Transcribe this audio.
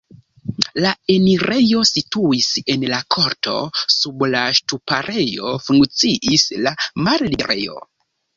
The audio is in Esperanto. La enirejo situis en la korto, sub la ŝtuparejo funkciis la malliberejo.